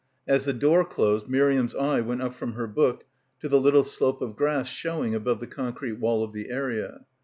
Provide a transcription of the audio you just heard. As the door closed Miriam's eye went up from her book to the little slope of grass showing above the concrete wall of the area.